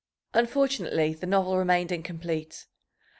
Unfortunately the novel remained incomplete.